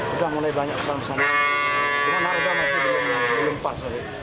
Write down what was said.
harga mulai banyak karena harga masih belum pas